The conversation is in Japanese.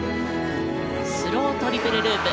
スロウトリプルループ。